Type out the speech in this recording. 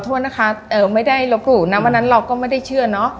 โทษนะคะไม่ได้ลบหลู่นะวันนั้นเราก็ไม่ได้เชื่อเนอะ